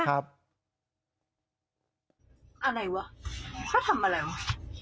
อะไรวะเขาทำอะไรวะ